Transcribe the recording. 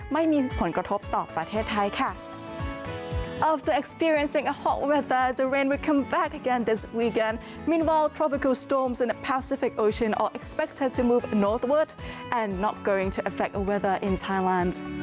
ไม่มีผลกระทบต่อประเทศไทยค่ะ